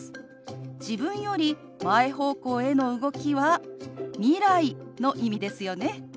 自分より前方向への動きは未来の意味ですよね。